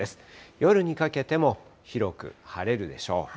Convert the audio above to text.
夜にかけても広く晴れるでしょう。